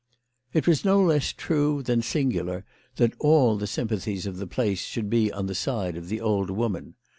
It was no less true than singular that all the sympa thies of the place should be on the side of the old woman.